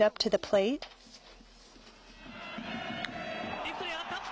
レフトに上がった。